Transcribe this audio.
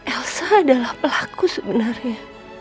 elsa adalah pelaku sebenarnya